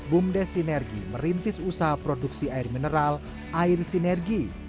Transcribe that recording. bumdes sinergi merintis usaha produksi air mineral air sinergi